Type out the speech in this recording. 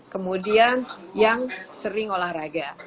kemudian yang sering olahraga